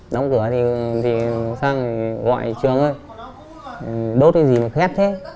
đóng cửa thì sang gọi trường ơi đốt cái gì mà khét thế